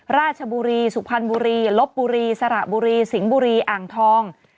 ราชบุรีสุพรรณบุรีลบบุรีสระบุรีสิงห์บุรีอ่างทอง